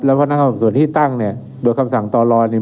แล้วพนักงานส่วนที่ตั้งเนี่ยโดยคำสั่งต่อรอเนี่ย